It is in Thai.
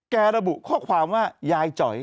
ระบุข้อความว่ายายจ๋อย